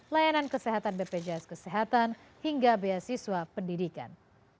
layanan kesehatan bpjs kesehatan hingga beasiswa pendidikan